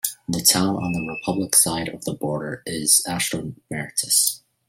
The town on the Republic side of the border is Astromeritis.